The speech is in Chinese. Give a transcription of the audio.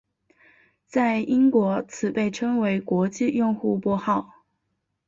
在英国此被称为国际用户拨号。